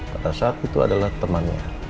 pada saat itu adalah temannya